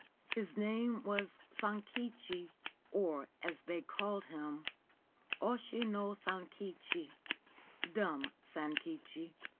His name was Sankichi or (as they called him) Oshi no Sankichi, Dumb Sankichi.